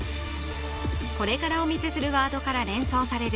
これからお見せするワードから連想される